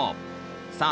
さあ